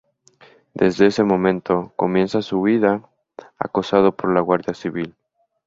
Desde ese momento, comienza su huida acosado por la Guardia Civil.